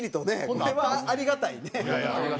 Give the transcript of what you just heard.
これはありがたいね。